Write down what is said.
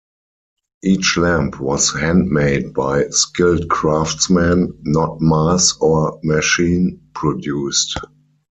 Each lamp was handmade by skilled craftsmen, not mass- or machine-produced.